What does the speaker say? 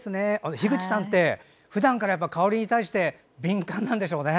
樋口さんってふだんから香りに対して敏感なんでしょうね。